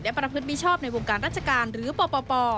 ประพฤติมิชชอบในวงการราชการหรือปป